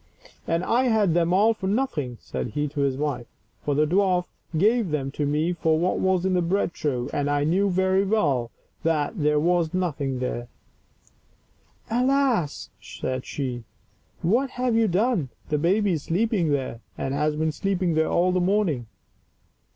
"And I had them all for nothing," said he to his wife; "for the dwarf gave them to me for what was in the bread trough, and I knew very well that there was nothing there." " Alas," said she, " what have you done ! the baby is sleeping there, and has been sleeping there all the morning."